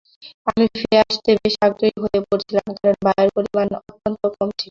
আমি ফিরে আসতে বেশ আগ্রহী হয়ে পড়ছিলাম কারণ বায়ুর পরিমাণ অত্যন্ত কম ছিল।